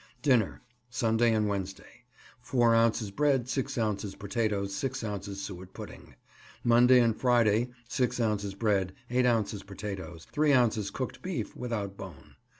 Dinner Sunday and Wednesday 4 ounces bread, 6 ounces potatoes, 6 ounces suet pudding. Monday and Friday 6 ounces bread, 8 ounces potatoes, 3 ounces cooked beef (without bone).